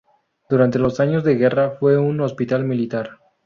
Durante los años de guerra fue un hospital militar.